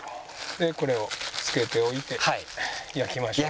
でこれを漬けておいて焼きましょう。